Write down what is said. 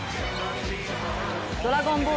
「ドラゴンボール」